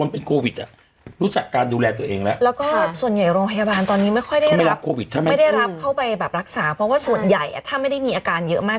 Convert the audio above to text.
เพราะว่าส่วนใหญ่ถ้าไม่ได้มีอาการเยอะมาก